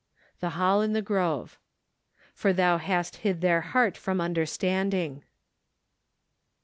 The Hall in the Grove. " For thou hast hid their heart from understand¬ ing."